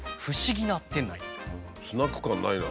スナック感ないな。